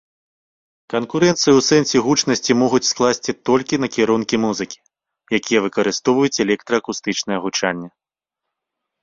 Канкурэнцыю ў сэнсе гучнасці могуць скласці толькі накірункі музыкі, якія выкарыстоўваюць электраакустычнае гучанне.